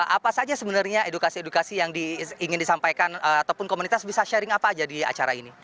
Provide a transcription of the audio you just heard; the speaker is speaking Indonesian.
apa saja sebenarnya edukasi edukasi yang ingin disampaikan ataupun komunitas bisa sharing apa aja di acara ini